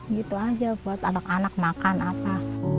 gitu aja buat anak anak makan apa